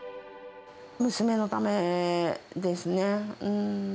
娘のためですね。